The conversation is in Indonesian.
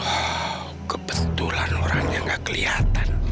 oh kebetulan orangnya gak kelihatan